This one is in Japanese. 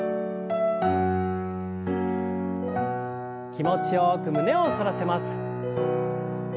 気持ちよく胸を反らせます。